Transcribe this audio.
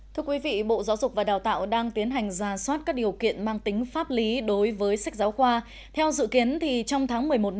thưa quý vị bộ giáo dục và đào tạo đang tiến hành ra soát các điều kiện mang tính pháp lý đối với sách giáo khoa